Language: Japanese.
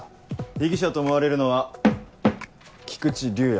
被疑者と思われるのは菊池竜哉。